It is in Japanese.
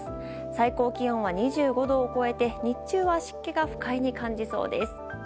最高気温は２５度を超えて日中は湿気が不快に感じそうです。